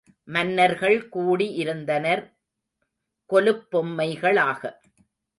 மன்னர்கள் கூடி இருந்தனர் கொலுப் பொம்மைகளாக.